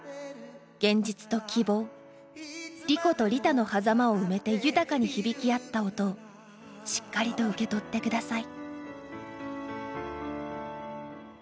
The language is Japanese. のはざまを埋めて豊かに響き合った音をしっかりと受け取って下さい。